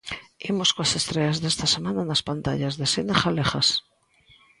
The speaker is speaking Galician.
Imos coas estreas desta semana nas pantallas de cine galegas.